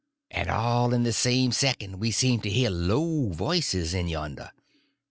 and all in the same second we seem to hear low voices in yonder!